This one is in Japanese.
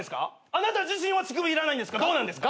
あなた自身はどうなんですか？